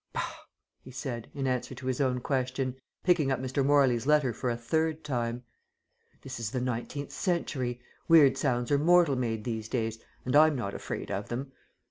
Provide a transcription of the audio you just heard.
"Bah!" he said in answer to his own question, picking up Mr. Morley's letter for a third time. "This is the nineteenth century. Weird sounds are mortal made these days, and I'm not afraid of them.